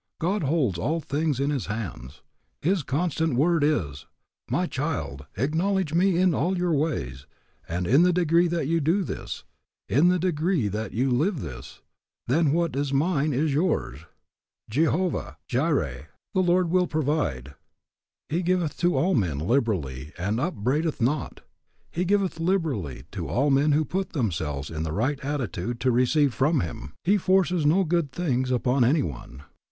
God holds all things in His hands. His constant word is, My child, acknowledge me in all your ways, and in the degree that you do this, in the degree that you live this, then what is mine is yours. Jehovah jireh, the Lord will provide. "He giveth to all men liberally and upbraideth not." He giveth liberally to all men who put themselves in the right attitude to receive from Him. He forces no good things upon any one.